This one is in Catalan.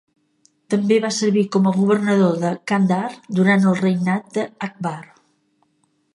També va servir com a governador de Kandhar durant el regnat de Akbar.